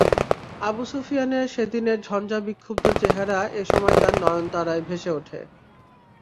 আবু সুফিয়ানের সেদিনের ঝঞ্ঝা-বিক্ষুব্ধ চেহারা এ সময় তাঁর নয়ন তারায় ভেসে ওঠে।